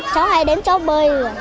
cháu hay đến cháu bơi